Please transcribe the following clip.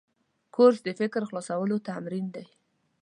کورس د فکر خلاصولو تمرین دی.